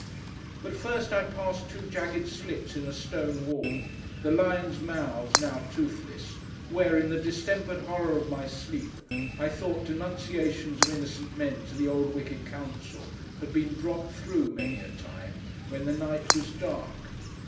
But first I passed two jagged slits in a stone wall; the lions' mouths—now toothless—where, in the distempered horror of my sleep, I thought denunciations of innocent men to the old wicked Council, had been dropped through, many a time, when the night was dark.